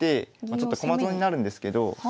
ちょっと駒損になるんですけど。